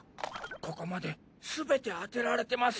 ここまですべて当てられてます。